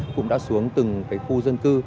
cũng đã xuống từng khu dân cư